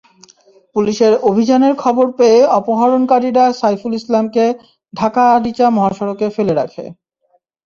পুলিশের অভিযানের খবর পেয়ে অপহরণকারীরা সাইফুল ইসলামকে ঢাকা-আরিচা মহাসড়কে ফেলে রাখে।